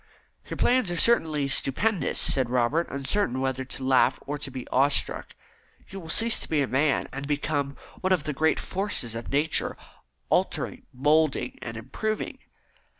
"Your plans are certainly stupendous," said Robert, uncertain whether to laugh or to be awe struck. "You will cease to be a man, and become one of the great forces of Nature, altering, moulding, and improving."